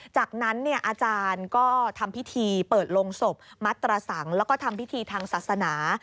จากนั้นอาจารย์ก็ทำพิธีเปิดลงศพมัดตระสังแล้วก็ทำพิธีทางศาสนา